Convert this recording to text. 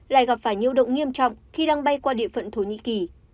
lại gặp phải nhiễu động nghiêm trọng khi đang bay qua địa phận thổ nhĩ kỳ